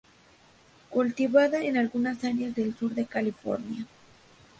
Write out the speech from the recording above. Cultivada en algunas áreas del sur de California.